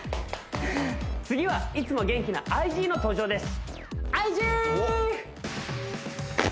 次はいつも元気なＩＧの登場です